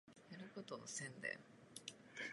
お腹がすいて倒れそう